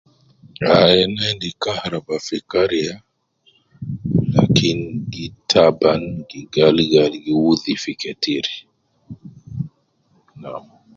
Ai ne endi kaharaba fi kariya ,lakin gi taban ,gi gal gali gi wudhi fi ketir, nam